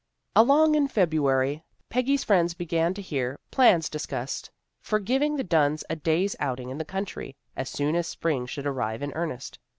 Along in February Peggy's friends began to hear plans discussed for giving the Dunns a day's outing in the country, as soon as spring should arrive in earnest.